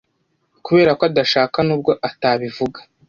Kubera ko adashaka nubwo atabivuga